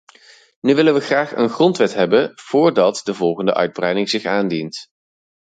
Nu willen we graag een grondwet hebben voordat de volgende uitbreiding zich aandient.